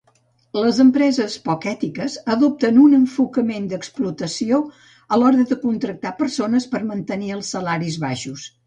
Les empreses poc ètiques adopten un enfocament d'explotació a l'hora de contractar persones per mantenir els salaris baixos.